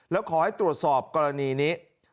แล้วขอให้ตรวจสอบกรณีนี้